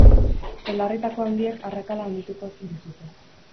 Belarritako handiek arrakala handituko dizute.